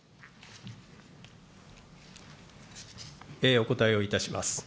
お答えをいたします。